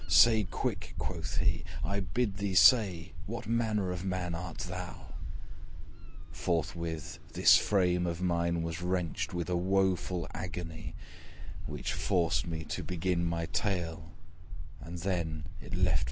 'Say quick,' quoth he, 'I bid thee say What manner of man art thou?' Forthwith this frame of mine was wrenched With a woful agony, Which forced me to begin my tale; And then it left me free.